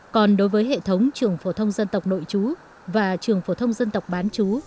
còn đối với hệ thống trường phổ thông dân tộc nội chú và trường phổ thông dân tộc bán chú